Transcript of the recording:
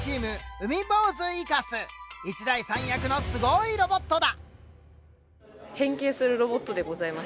１台３役のすごいロボットだ！